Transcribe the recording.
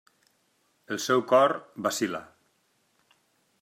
El seu cor vacil·la.